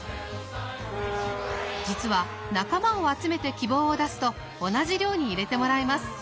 実は仲間を集めて希望を出すと同じ寮に入れてもらえます。